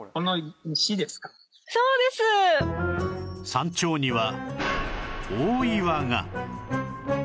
山頂には大岩が